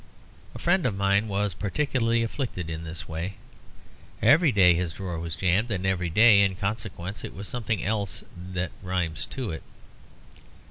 A friend of mine was particularly afflicted in this way. Every day his drawer was jammed, and every day in consequence it was something else that rhymes to it.